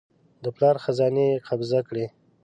د پلار خزانې یې قبضه کړې.